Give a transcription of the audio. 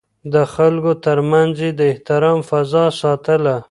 د خلکو ترمنځ يې د احترام فضا ساتله.